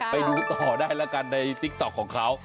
ไปดูต่อได้แล้วกันในติ๊กต๊อกของเขา